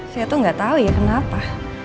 saya tuh gak tahu ya kenapa